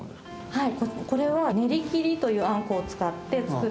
はい。